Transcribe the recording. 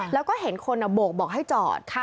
แล้วก็เห็นคนโบกบอกให้จอด